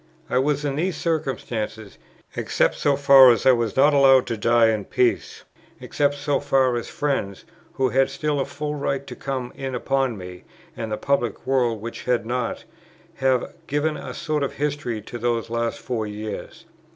I was in these circumstances, except so far as I was not allowed to die in peace, except so far as friends, who had still a full right to come in upon me, and the public world which had not, have given a sort of history to those last four years.